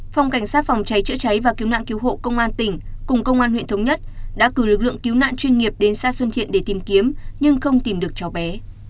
phòng cảnh sát phòng cháy chữa cháy và cứu nạn cứu hộ công an tỉnh cùng công an huyện thống nhất đã cử lực lượng cứu nạn chuyên nghiệp đến xã xuân thiện để tìm kiếm nhưng không tìm được cháu bé